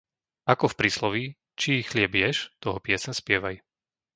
Ako v prísloví, čí chlieb ješ, toho pieseň spievaj.